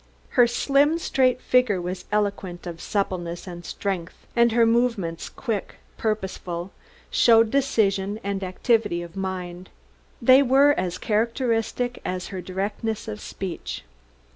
Her slim straight figure was eloquent of suppleness and strength and her movements, quick, purposeful, showed decision and activity of mind. They were as characteristic as her directness of speech.